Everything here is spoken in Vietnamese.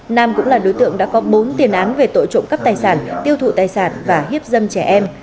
nam cũng là đối tượng đã có bốn tiền án về tội trộm cắp tài sản tiêu thụ tài sản và hiếp dâm trẻ em